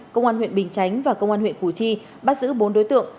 công an huyện bình chánh và công an huyện củ chi bắt giữ bốn đối tượng